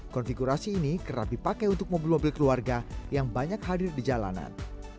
konfigurasi ini kerap dipakai untuk mobil mobil keluarga yang banyak hadir di jalanan